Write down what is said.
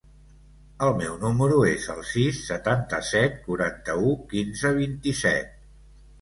El meu número es el sis, setanta-set, quaranta-u, quinze, vint-i-set.